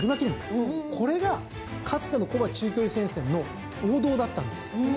これがかつての中距離戦線の王道だったんです。